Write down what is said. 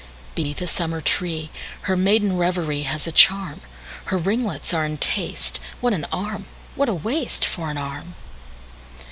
Beneath a summer tree, Her maiden reverieHas a charm; Her ringlets are in taste; What an arm!… what a waistFor an arm!